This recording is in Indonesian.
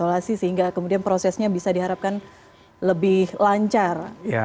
jadi kita coba isolasi sehingga kemudian prosesnya bisa diharapkan lebih lancar